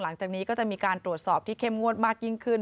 หลังจากนี้ก็จะมีการตรวจสอบที่เข้มงวดมากยิ่งขึ้น